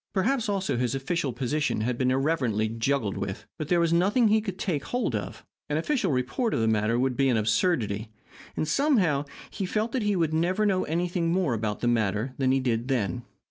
Perhaps, also, his official position had been irreverently juggled with. But there was nothing he could take hold of. An official report of the matter would be an absurdity. And, somehow, he felt that he would never know anything more about the matter than he did then.